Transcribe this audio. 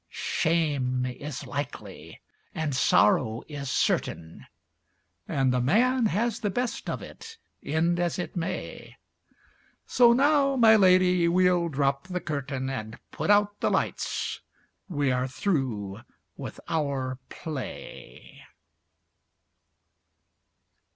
Shame is likely, and sorrow is certain, And the man has the best of it, end as it may. So now, my lady, we'll drop the curtain, And put out the lights. We are through with our play.